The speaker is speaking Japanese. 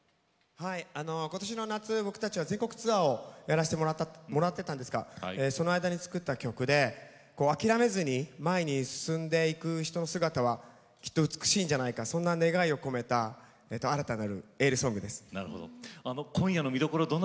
今年の夏、僕たちは全国ツアーをやらせてもらってたんですがその間に作った曲で諦めずに前に進んでいく人の姿はきっと美しいんじゃないかそんな願いを込めた新たなエールソングです。